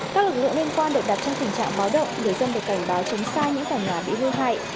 các lực lượng liên quan được đặt trong tình trạng báo động người dân được cảnh báo chống sai những tài nạn bị hư hại